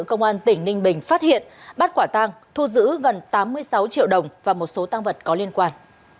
công an tỉnh ninh bình phát hiện bắt quả tang thu giữ gần tám mươi sáu triệu đồng và một số tăng vật có liên quan